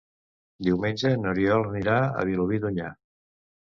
Diumenge n'Oriol anirà a Vilobí d'Onyar.